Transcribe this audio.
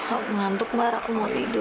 aku ngantuk mar aku mau tidur